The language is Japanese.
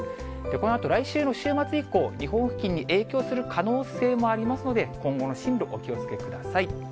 このあと、来週の週末以降、日本付近に影響する可能性もありますので、今後の進路、お気をつけください。